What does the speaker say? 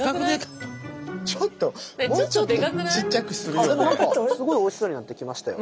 あっでも何かすごいおいしそうになってきましたよ。